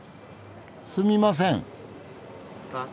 すみません。